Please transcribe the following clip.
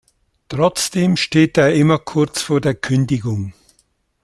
Trotzdem steht er immer kurz vor der Kündigung.